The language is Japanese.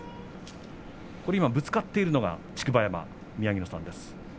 今ぶつかっているのが竹葉山宮城野さんです。